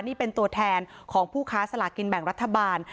นี่เป็นตัวแทนของผู้ค้าสลากินแบ่งรัฐบาล